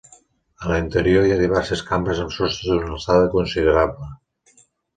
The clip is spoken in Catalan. A l'interior, hi ha diverses cambres amb sostres d'una alçada considerable.